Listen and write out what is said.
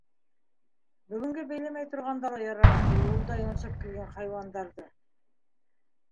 Бөгөнгә бәйләмәй торғанда ла ярар ине юлда йонсоп килгән хайуандарҙы.